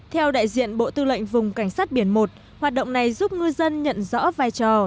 theo đại diện bộ tư lệnh vùng cảnh sát biển một hoạt động này giúp ngư dân nhận rõ vai trò